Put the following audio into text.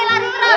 coba di gerakan